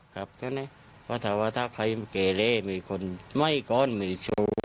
ครับก็แน่ภาษาวัตถาใครมันเกรเลมีคนไหม้ก้อนมีโชว์